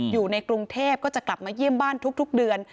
อยู่ในกรุงเทพก็จะกลับมาเยี่ยมบ้านทุกเดือน